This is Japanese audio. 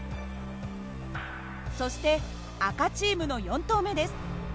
そして赤チームの４投目です。